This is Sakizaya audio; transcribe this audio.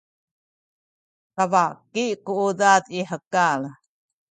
tabaki ku udad i hekal